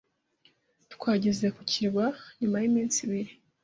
Twageze ku kirwa nyuma yiminsi ibiri.